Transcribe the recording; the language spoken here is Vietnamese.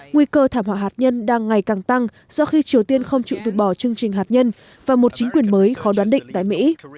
nguy cơ thảm họa hạt nhân đang ngày càng tăng do khi triều tiên không chịu từ bỏ chương trình hạt nhân và một chính quyền mới khó đoán định tại mỹ